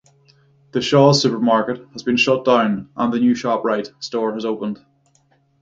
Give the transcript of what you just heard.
The Shaw's supermarket has been shut down and the new ShopRite store has opened.